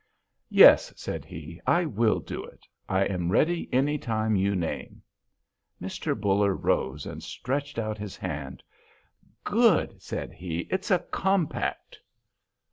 "Yes," said he; "I will do it; I am ready any time you name." Mr. Buller rose and stretched out his hand. "Good!" said he; "it is a compact!"